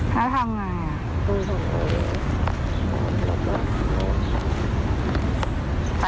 แล้วทำไมหนูถึงสิทธิ์ไป